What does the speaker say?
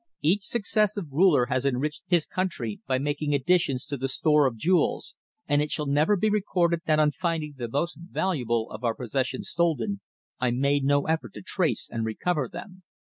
Each successive ruler has enriched his country by making additions to the store of jewels, and it shall never be recorded that on finding the most valuable of our possessions stolen, I made no effort to trace and recover them.